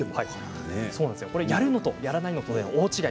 やるのとやらないのとでは大違い。